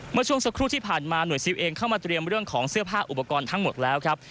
เมื่อช่วงสักครู่ที่ผ่านมาหน่วยซิลเองเข้ามาเตรียมเรื่องของเสื้อผ้าอุปกรณ์ทั้งหมดแล้วครับ